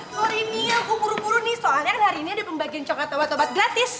sorry nih aku puru puru nih soalnya kan hari ini ada pembagian coklat obat obat gratis